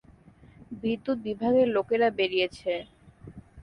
বিদ্যুত বিভাগের লোকেরা বেরিয়েছে!